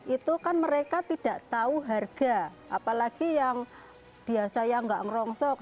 itu kan mereka tidak tahu harga apalagi yang biasa yang nggak ngerongsok